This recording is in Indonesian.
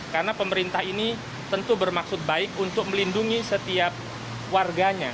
karena pemerintah ini tentu bermaksud baik untuk melindungi setiap warganya